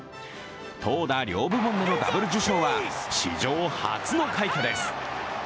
投打両部門でのダブル受賞は史上初の快挙です。